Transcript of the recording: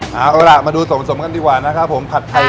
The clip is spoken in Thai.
ผัดไทยหาร้อยมันอยู่ที่น้ำผัดไทย